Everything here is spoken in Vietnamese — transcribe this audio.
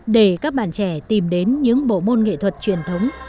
để các bạn trẻ tìm đến những bộ môn nghệ thuật truyền thống